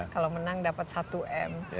kalau menang dapat satu m